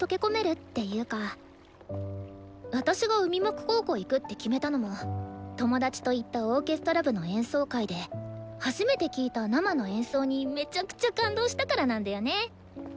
私が海幕高校行くって決めたのも友達と行ったオーケストラ部の演奏会で初めて聴いた生の演奏にめちゃくちゃ感動したからなんだよね。